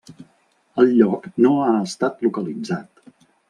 El lloc no ha estat localitzat.